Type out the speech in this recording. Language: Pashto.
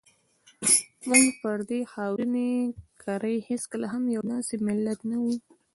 موږ پر دې خاورینې کرې هېڅکله هم یو داسې ملت نه وو.